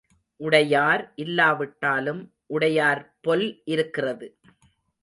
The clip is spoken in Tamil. உடையார் இல்லாவிட்டாலும் உடையார் பொல் இருக்கிறது.